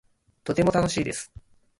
とても楽しいです